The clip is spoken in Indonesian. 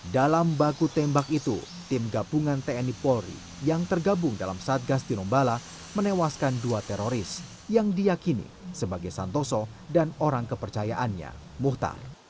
dalam baku tembak itu tim gabungan tni polri yang tergabung dalam satgas tinombala menewaskan dua teroris yang diakini sebagai santoso dan orang kepercayaannya muhtar